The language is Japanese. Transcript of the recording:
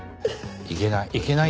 いけない。